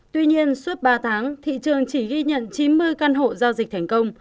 tuy nhiên suốt ba tháng thị trường chỉ ghi nhận chín mươi căn hộ giao dịch thành công